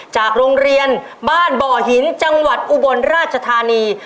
จากโรงเรียนบ้านบ่อหินจังหวัดอุบลราชธานี